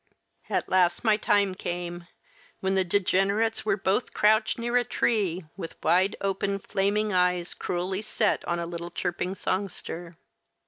At last my time came, when the degenerates were both crouched near a tree, with wide open, flaming eyes cruelly set on a little chirping songster.